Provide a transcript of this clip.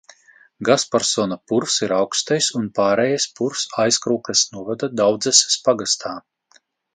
Gasparsona purvs ir augstais un pārejas purvs Aizkraukles novada Daudzeses pagastā.